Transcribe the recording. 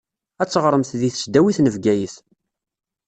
Ad teɣṛemt di tesdawit n Bgayet.